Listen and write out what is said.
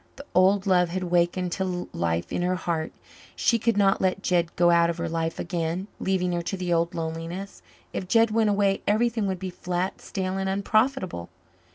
The old love had wakened to life in her heart; she could not let Jed go out of her life again, leaving her to the old loneliness. If Jed went away everything would be flat, stale, and unprofitable.